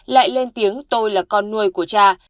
lại lên tiếng tôi là con nuôi của cha